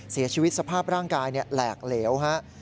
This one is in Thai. เสียชีวิตสภาพร่างกายแหลกเหลวฮะ